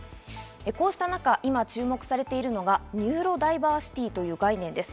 こうした中、今注目されているのが、ニューロダイバーシティという概念です。